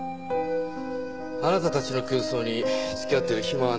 あなたたちの空想に付き合ってる暇はないんだ。